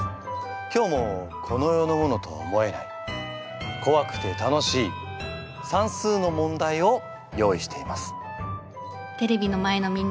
今日もこの世のモノとは思えないこわくて楽しい算数の問題を用意しています。